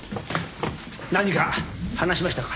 何か話しましたか？